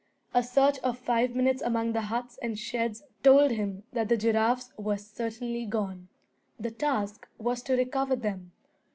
A search of five minutes among the huts and sheds told him that the giraffes were certainly gone. The task was to recover them.